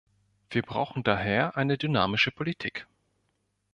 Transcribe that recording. Wir brauchen daher eine dynamische Politik.